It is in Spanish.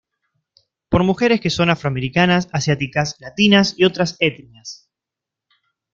Por mujeres que son afroamericanas, asiáticas, latinas y otras etnias.